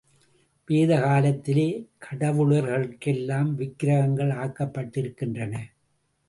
வேத காலத்திலே கடவுளர்களுக்கெல்லாம் விக்கிரகங்கள் ஆக்கப்பட்டிருக்கின்றன.